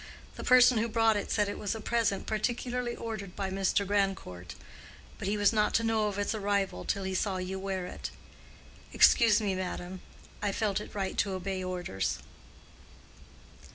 The person who brought it said it was a present particularly ordered by Mr. Grandcourt; but he was not to know of its arrival till he saw you wear it. Excuse me, madam; I felt it right to obey orders."